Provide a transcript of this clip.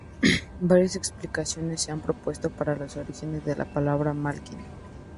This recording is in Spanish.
Varias explicaciones se han propuesto para los orígenes de la palabra Malkin.